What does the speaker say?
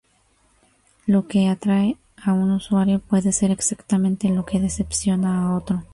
Lo que atrae a un usuario puede ser exactamente lo que decepciona a otro.